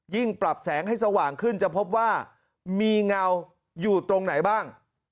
ปรับแสงให้สว่างขึ้นจะพบว่ามีเงาอยู่ตรงไหนบ้าง